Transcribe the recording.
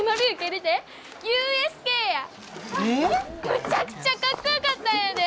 むちゃくちゃかっこよかったんやで！